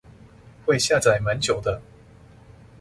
會下載蠻久的